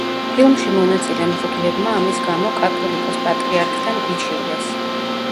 ფილმში მონაწილე მღვდლებმა ამის გამო კათოლიკოს-პატრიარქთან იჩივლეს.